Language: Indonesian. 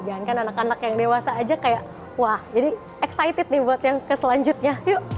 dan kan anak anak yang dewasa saja jadi kayak wah excited nih buat yang ke selanjutnya